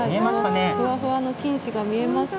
ふわふわな菌糸が見えますか？